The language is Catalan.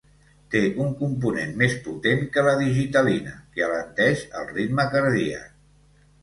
Té un component més potent que la digitalina que alenteix el ritme cardíac.